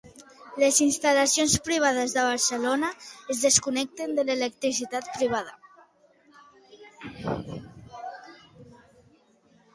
Les instal·lacions privades de Barcelona es desconnecten de l'electricitat privada.